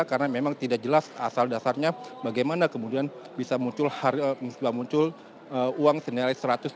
karena memang tidak jelas asal dasarnya bagaimana kemudian bisa muncul uang senilai seratus